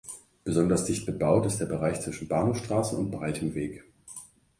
Besonders dicht bebaut ist der Bereich zwischen Bahnhofstraße und Breitem Weg.